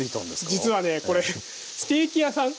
実はねこれステーキ屋さん